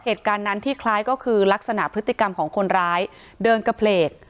เหตุการณ์นั้นที่คล้ายก็คือลักษณะพฤติกรรมของคนร้ายเดินกระเพลก